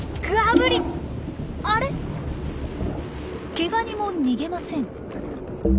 ケガニも逃げません。